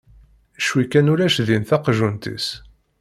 Cwi kan ulac din taqjunt-is.